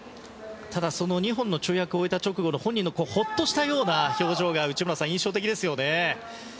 ただ２本の跳躍を終えたあとの本人のほっとした表情が内村さん、印象的ですよね。